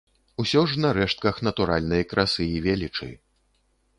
Усё ж на рэштках натуральнай красы і велічы.